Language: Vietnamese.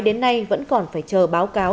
đến nay vẫn còn phải chờ báo cáo